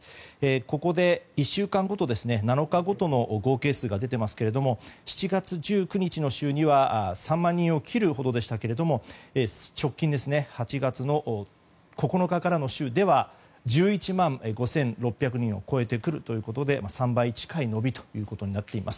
ここで、１週間ごと７日ごとの合計数が出ていますが７月１９日の週には３万人を切るほどでしたが直近ですね８月の９日からの週では１１万５６００人を超えてくるということで３倍近い伸びとなっています。